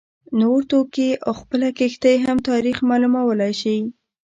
نور توکي او خپله کښتۍ هم تاریخ معلومولای شي